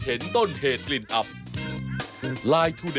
เอาล่ะครับครับ